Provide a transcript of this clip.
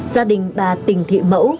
gia đình bà tình thị mẫu